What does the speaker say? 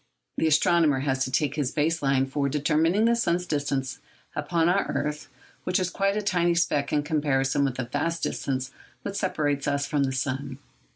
The astronomer has to take his base line for determining the sun's distance, upon our earth, which is quite a tiny speck in comparison with the vast distance which separates us from the sun.